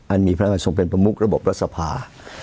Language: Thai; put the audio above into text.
อันนี้มันส่งเป็นประมุกระบบรสภา